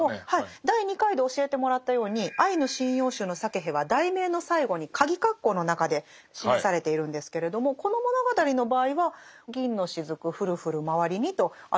第２回で教えてもらったように「アイヌ神謡集」のサケヘは題名の最後にかぎ括弧の中で示されているんですけれどもこの物語の場合は「銀の滴降る降るまわりに」とありますね中川さん。